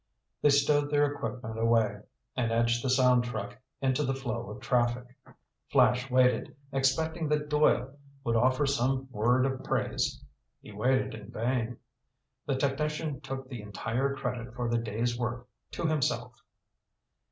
They stowed their equipment away and edged the sound truck into the flow of traffic. Flash waited, expecting that Doyle would offer some word of praise. He waited in vain. The technician took the entire credit for the day's work to himself.